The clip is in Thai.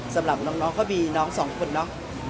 สำหรับน้องก็มีน้องสองคนเนาะ